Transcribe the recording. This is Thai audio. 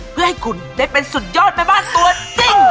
เพื่อให้คุณได้เป็นสุดยอดแม่บ้านตัวจริง